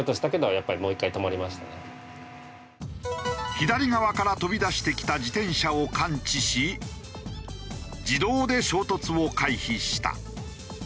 左側から飛び出してきた自転車を感知し自動で衝突を回避した。